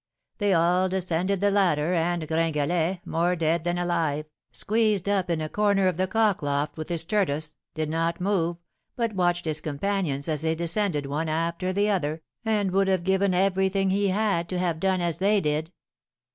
They all descended the ladder, and Gringalet, more dead than alive, squeezed up in a corner of the cock loft with his tortoise, did not move, but watched his companions as they descended one after the other, and would have given everything he had to have done as they did.